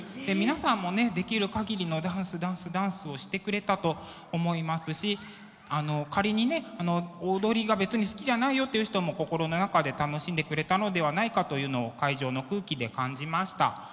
皆さんもねできるかぎりの「ダンスダンスダンス」をしてくれたと思いますし仮にね踊りが別に好きじゃないよという人も心の中で楽しんでくれたのではないかというのを会場の空気で感じました。